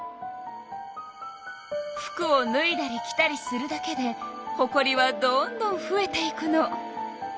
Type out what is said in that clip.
服をぬいだり着たりするだけでほこりはどんどんふえていくの。